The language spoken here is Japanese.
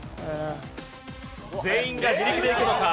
全員が自力でいくのか？